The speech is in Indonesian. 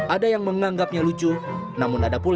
ada yang menganggapnya lucu namun ada pula